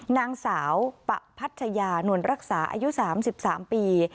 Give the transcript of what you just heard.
นางสาวปะพัชยานวลรักษาอายุ๓๓ปี